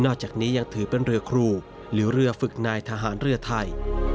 จากนี้ยังถือเป็นเรือครูหรือเรือฝึกนายทหารเรือไทย